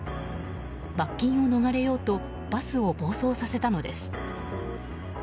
罰金を逃れようとバスを暴走させたのです。